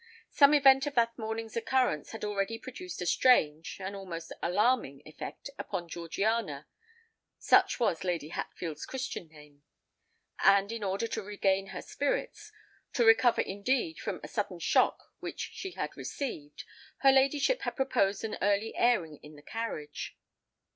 Some event of that morning's occurrence had already produced a strange—an almost alarming effect upon Georgiana—such was Lady Hatfield's Christian name: and in order to regain her spirits—to recover indeed from a sudden shock which she had received—her ladyship had proposed an early airing in the carriage.